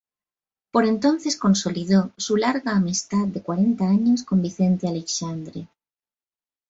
Por entonces consolidó su larga amistad de cuarenta años con Vicente Aleixandre.